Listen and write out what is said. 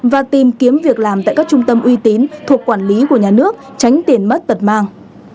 và tìm kiếm việc làm tại các trung tâm uy tín thuộc quản lý của nhà nước tránh tiền mất tật mang